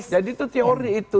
jadi itu teori itu